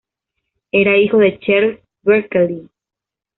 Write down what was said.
Era hijo de Charles Berkeley.